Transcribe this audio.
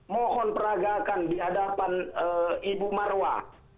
mohon peragakan di hadapan ibu marwah